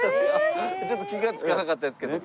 ちょっと気が付かなかったですけども。